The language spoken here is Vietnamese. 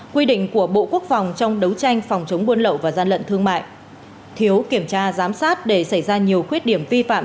quy định của bộ quốc phòng trong đấu tranh phòng chống buôn lậu và gian lận thương mại thiếu kiểm tra giám sát để xảy ra nhiều khuyết điểm vi phạm